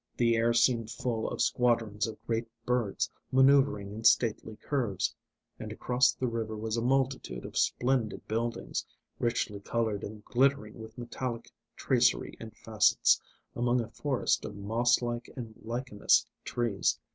The air seemed full of squadrons of great birds, manœuvring in stately curves; and across the river was a multitude of splendid buildings, richly coloured and glittering with metallic tracery and facets, among a forest of moss like and lichenous trees.